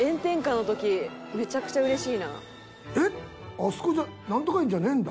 あそこじゃナントカ苑じゃねえんだ。